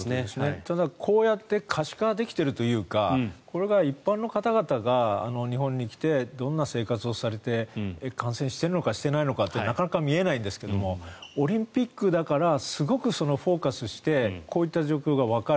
ただ、こうやって可視化できているというかこれから一般の方々が日本に来てどんな生活をして感染しているのか、してないのか見えないんですがオリンピックだからすごくフォーカスしてこういった状況がわかる。